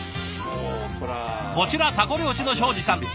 こちらタコ漁師の庄司さん。